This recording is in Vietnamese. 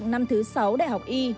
năm thứ sáu đại học y